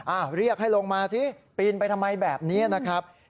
เรียกให้ลงมาสิปีนไปทำไมแบบนี้นะครับ